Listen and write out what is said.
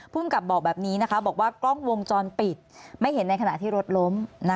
ภูมิกับบอกแบบนี้นะคะบอกว่ากล้องวงจรปิดไม่เห็นในขณะที่รถล้ม